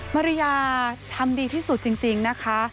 มาริยาทำดีที่สุดจริงนะคะ